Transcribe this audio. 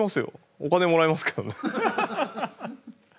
お金もらいますけど。